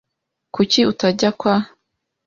Kuki utajya kwa ?